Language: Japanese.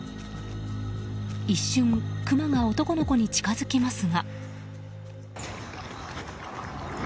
一瞬、クマが男の子に近づきますが。